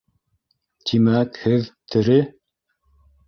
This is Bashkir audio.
Тимәк, һеҙ... тере?